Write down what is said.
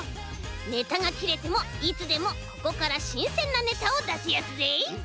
ネタがきれてもいつでもここからしんせんなネタをだしやすぜい。